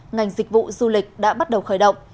ngành dịch vụ du lịch đã bắt đầu khởi động